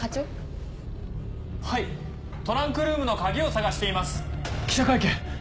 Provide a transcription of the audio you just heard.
はいトランクルームの鍵を捜していま記者会見